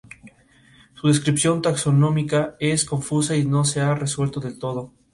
Su descripción taxonómica es confusa y no se ha resuelto del todo.